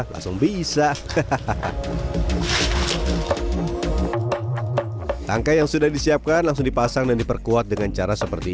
langsung bisa hahaha tangkai yang sudah disiapkan langsung dipasang dan diperkuat dengan cara seperti